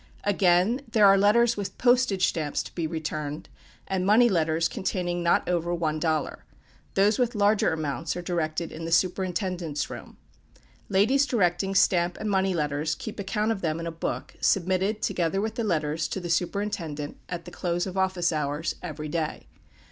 Again, there are letters with postage stamps to be returned, and money letters containing not over one dollar: those with larger amounts are directed in the superintendent's room. Ladies directing stamp and money letters keep account of them in a book, submitted, together with the letters, to the superintendent, at the close of office hours, every day.